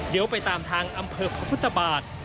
เดี๋ยวไปตามทางอำเภอพระพุทธบาท